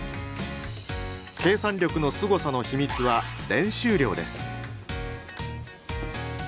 計算力のすごさの秘密は練習量です。